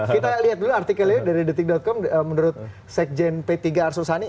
kita lihat dulu artikelnya dari detik com menurut sekjen p tiga arsul sani